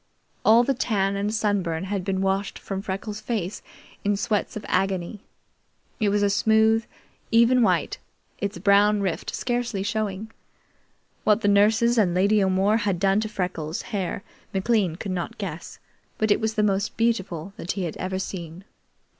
All the tan and sunburn had been washed from Freckles' face in sweats of agony. It was a smooth, even white, its brown rift scarcely showing. What the nurses and Lady O'More had done to Freckles' hair McLean could not guess, but it was the most beautiful that he ever had seen.